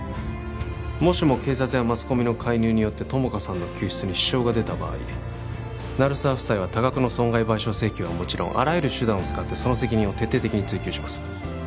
もしも警察やマスコミの介入によって友果さんの救出に支障が出た場合鳴沢夫妻は多額の損害賠償請求はもちろんあらゆる手段を使ってその責任を徹底的に追及します